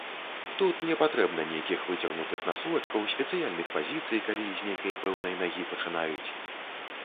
Тут непатрэбна нейкіх выцягнутых насочкаў, спецыяльных пазіцый, калі з нейкай пэўнай нагі пачынаюць.